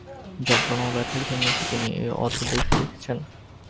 যন্ত্রণা এবং ব্যথার জন্যেই কি তিনি এই অদ্ভুত দৃশ্য দেখছেন?